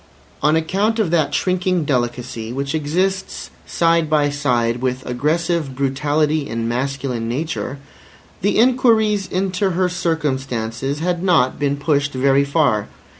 On account of that shrinking delicacy, which exists side by side with aggressive brutality in masculine nature, the inquiries into her circumstances had not been pushed very far.